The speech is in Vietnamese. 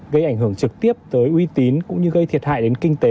gây ảnh hưởng trực tiếp tới uy tín cũng như gây thiệt hại đến kinh tế